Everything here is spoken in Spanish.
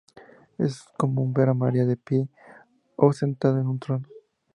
Es común ver a María de pie o sentada en un trono.